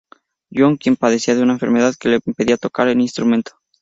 John, quien padecía de una enfermedad que le impedía tocar el instrumento.